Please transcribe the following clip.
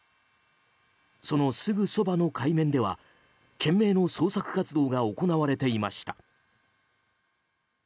そのすぐそばの海面では懸命の捜索活動が行われていました。